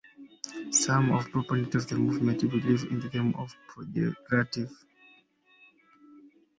Some proponents of the movement believe the term is pejorative.